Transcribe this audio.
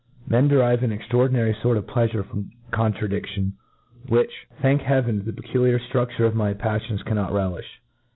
Men derive an extraordinary fort of pleafurc from contradiction, which, thank Hea ven, 4 PREFACE. ven, the peculiar ftrufture of my paflions can* not relilh.